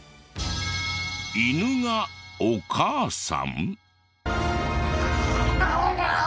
犬が「おかあさん」？